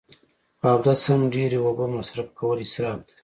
په اودس هم ډیری اوبه مصرف کول اصراف دی